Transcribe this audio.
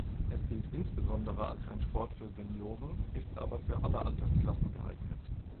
Es gilt insbesondere als ein Sport für Senioren, ist aber für alle Altersklassen geeignet.